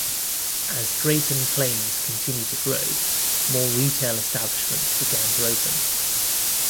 As Drayton Plains continued to grow, more retail establishments began to open.